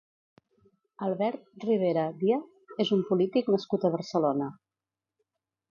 Albert Rivera Díaz és un polític nascut a Barcelona.